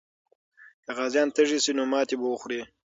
که غازیان تږي سي، نو ماتې به وخوري.